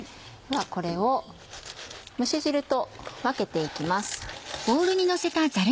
ではこれを蒸し汁と分けて行きます。